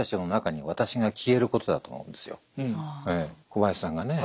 小林さんがね